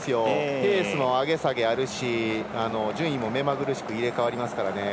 ペースも上げ下げあるし順位も目まぐるしく入れ代わりますからね。